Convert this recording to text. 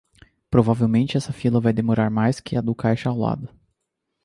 Provavelmente essa fila vai demorar mais que a do caixa ao lado.